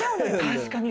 確かに！